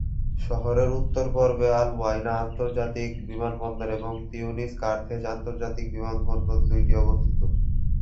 শহরের উত্তর-পূর্বে আল-উওয়াইনাহ আন্তর্জাতিক বিমানবন্দর এবং তিউনিস-কার্থেজ আন্তর্জাতিক বিমানবন্দর দুইটি অবস্থিত।